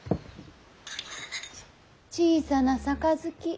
小さな盃。